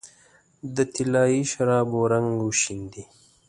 د طلايي شرابو رنګ وشیندې